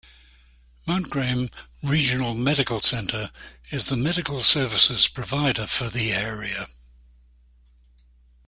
Mount Graham Regional Medical Center is the medical services provider for the area.